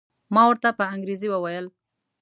ما ورته په انګریزي وویل.